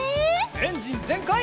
エンジンぜんかい！